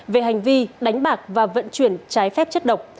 về hành vi đánh bạc và vận chuyển trái phép chất độc